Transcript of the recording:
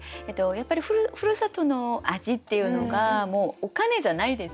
やっぱりふるさとの味っていうのがもうお金じゃないですよね。